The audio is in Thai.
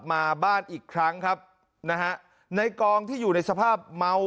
มาบ้านอีกครั้งครับนะฮะในกองที่อยู่ในสภาพเมา